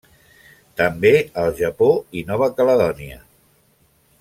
També al Japó i Nova Caledònia.